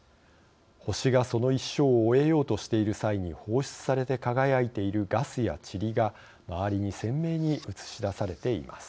星が、その一生を終えようとしている際に放出されて輝いているガスやちりが周りに鮮明に写し出されています。